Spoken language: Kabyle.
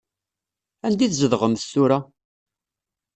Anda i tzedɣemt tura?